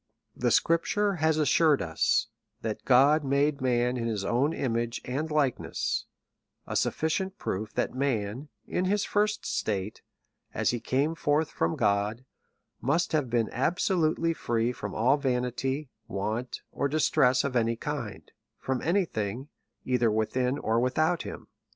The Scripture has assured us, that God made man in his own image and likeness ; a sufficient proof that man, in his first state, as he came forth from God, must have been absolutely free from all vanity, want, or distress of any kind, from any thing, either within or without him.